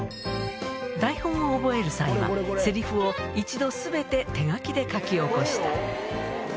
台本を覚える際はせりふを一度すべて手書きで書き起こした。